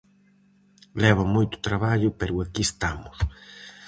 Leva moito traballo pero aquí estamos.